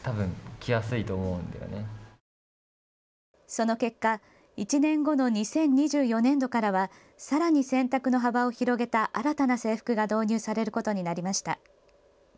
その結果、１年後の２０２４年度からはさらに選択の幅を広げた新たな制服が導入されることになりました。